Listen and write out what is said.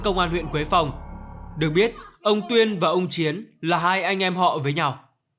công an huyện quế phong được biết ông tuyên và ông chiến là hai anh em họ với nhau